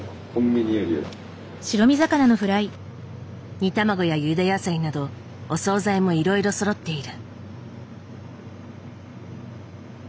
煮卵やゆで野菜などお総菜もいろいろそろっている。